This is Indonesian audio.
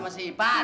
gue tangkep lo